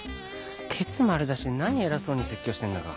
ケツ丸出しで何偉そうに説教してんだか